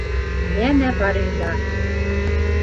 Йәнә Парижда...